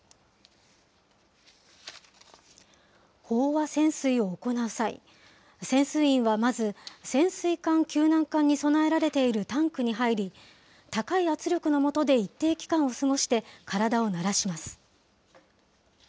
飽和潜水を行う際、潜水員はまず潜水艦救難艦に備えられているタンクに入り、高い圧力のもとで一定期間を過ごして、体を慣らします。